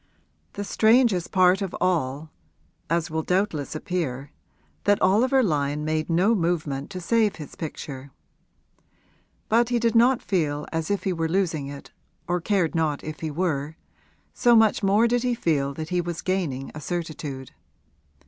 The strangest part of all was as will doubtless appear that Oliver Lyon made no movement to save his picture. But he did not feel as if he were losing it or cared not if he were, so much more did he feel that he was gaining a certitude.